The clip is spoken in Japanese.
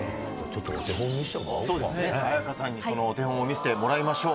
ちょっとお手本見せてもらおうか。